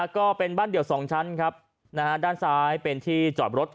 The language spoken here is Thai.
ก็เป็นบ้านเดี่ยว๒ชั้นครับนะฮะด้านซ้ายเป็นที่จอดรถ